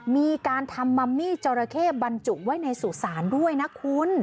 มีการทำมัมมี่จอราเข้บรรจุไว้ในสุสานด้วยนะคุณ